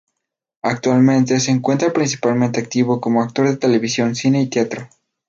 Actualmente se encuentra principalmente activo como actor de televisión, cine y teatro.